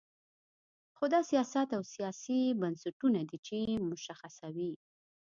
خو دا سیاست او سیاسي بنسټونه دي چې مشخصوي.